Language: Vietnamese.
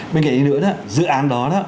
bên cạnh nữa dự án đó